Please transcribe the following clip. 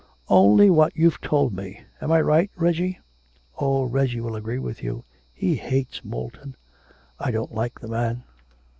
'Only what you've told me.... Am I not right, Reggie?' 'Oh, Reggie will agree with you he hates Moulton.' 'I don't like the man.'